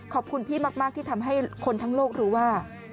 ขอบคุณพี่มากที่ทำให้คนทั้งโลกรู้ว่า